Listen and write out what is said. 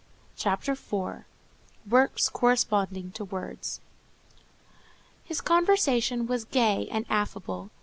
CHAPTER IV—WORKS CORRESPONDING TO WORDS His conversation was gay and affable.